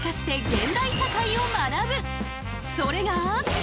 それが。